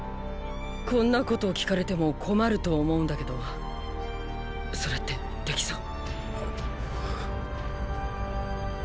こんなこと聞かれても困ると思うんだけどそれってできそう？